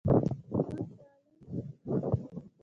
دوهم شاه عالم شکمن وو.